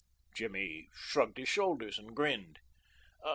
Jimmy shrugged his shoulders and grinned.